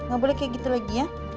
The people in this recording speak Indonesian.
gak boleh kayak gitu lagi ya